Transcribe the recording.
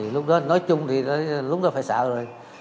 lúc đó nói chung thì lúc đó phải xả rồi